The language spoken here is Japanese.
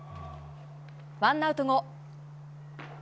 ワンアウト後。